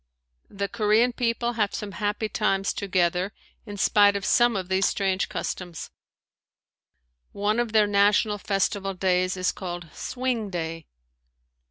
The Korean people have some happy times together in spite of some of these strange customs. One of their national festival days is called "Swing day."